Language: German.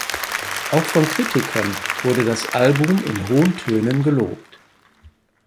Auch von Kritikern wurde das Album in hohen Tönen gelobt.